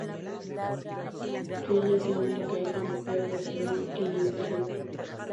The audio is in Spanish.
Ella es la única hija mujer de Simon y Lily Reid.